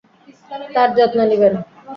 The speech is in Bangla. তার যত্ন নিবেন।